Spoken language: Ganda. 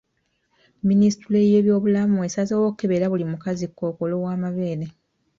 Minisitule y'ebyobulamu esazeewo okukebera buli mukazi Kkookolo w'amabeere.